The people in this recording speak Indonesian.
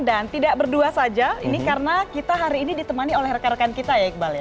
dan tidak berdua saja ini karena kita hari ini ditemani oleh rekan rekan kita ya iqbal